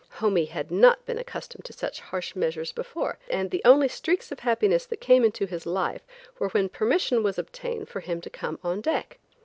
"Homie" had not been accustomed to such harsh measures before, and the only streaks of happiness that came into his life were when permission was obtained for him to come on deck.